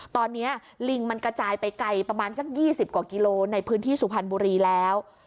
ตอนนี้ลิงมันกระจายไปไกลประมาณสัก๒๐กว่ากิโลในพื้นที่สุพรรณบุรีแล้ว